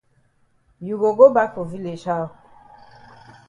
You go go bak for village how?